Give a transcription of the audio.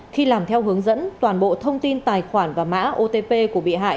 khi làm theo hướng dẫn toàn bộ thông tin tài khoản và mã otp của bị hại